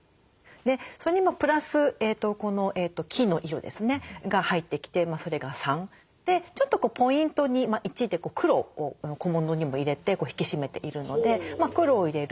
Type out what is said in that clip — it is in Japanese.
それにプラスこの木の色ですねが入ってきてそれが３。でちょっとポイントに１で黒を小物にも入れて引き締めているので黒を入れる。